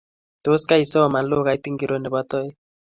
Tos keisoman lugait ingro nebo toek?